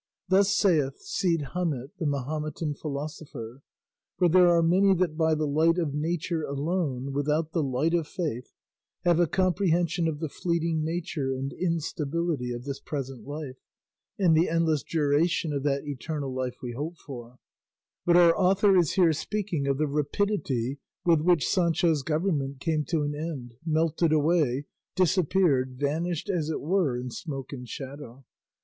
Thus saith Cide Hamete the Mahometan philosopher; for there are many that by the light of nature alone, without the light of faith, have a comprehension of the fleeting nature and instability of this present life and the endless duration of that eternal life we hope for; but our author is here speaking of the rapidity with which Sancho's government came to an end, melted away, disappeared, vanished as it were in smoke and shadow.